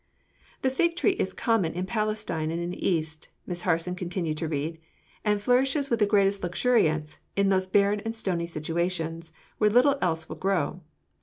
"'The fig tree is common in Palestine and the East,'" Miss Harson continued to read, "'and flourishes with the greatest luxuriance in those barren and stony situations, where little else will grow.